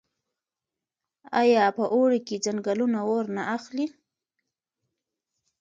آیا په اوړي کې ځنګلونه اور نه اخلي؟